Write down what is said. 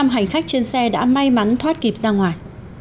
hai mươi năm hành khách trên xe đã may mắn thoát kịp ra ngoài